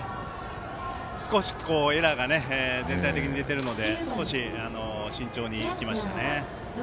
少しエラーが全体的に出ているので慎重にいきましたね。